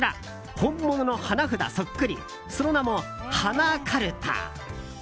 本物の花札そっくりその名も華歌留多！